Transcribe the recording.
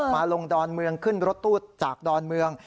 มาลงดอนเมืองขึ้นรถตู้จากดอนเมือง